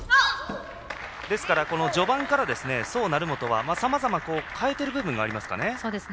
ですから、序盤から宋、成本は、さまざまに変えてる部分がありますかね。